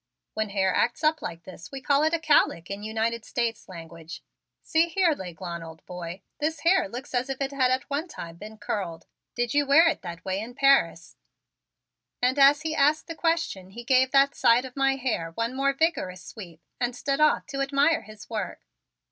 "When hair acts up like this we call it a cowlick in United States language. See here, L'Aiglon, old boy, this hair looks as if it had at one time been curled. Did you wear it that way in Paris?" And as he asked the question he gave that side of my hair one more vigorous sweep and stood off to admire his work.